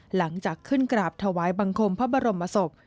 หลังจากขึ้นกราบถวายบังคมพระบรมศพ